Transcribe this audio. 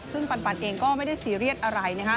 ซึ่งปันเองก็ไม่ได้ซีเรียสอะไรนะฮะ